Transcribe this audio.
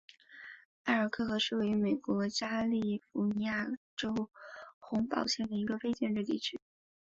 埃尔克河是位于美国加利福尼亚州洪堡县的一个非建制地区。